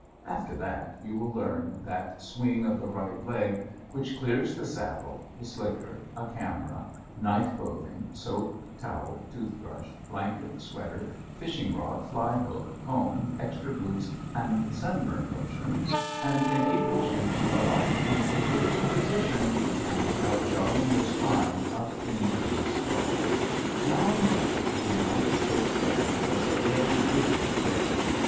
After that you will learn that swing of the right leg which clears the saddle, the slicker, a camera, night clothing, soap, towel, toothbrush, blanket, sweater, fishing rod, fly hook, comb, extra boots, and sunburn lotion, and enables you to alight in a vertical position and without jarring your spine up into your skull. [Illustration: BARING CREEK, CITADEL MOUNTAIN, AND BLACKFEET GLACIER] Now and then the United States Government does a very wicked thing.